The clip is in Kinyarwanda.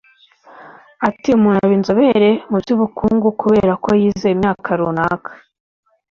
Ati “Umuntu aba inzobere mu by’ubukungu kubera ko yize imyaka runaka